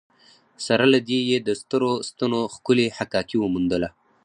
سره له دې یې د سترو ستنو ښکلې حکاکي وموندله.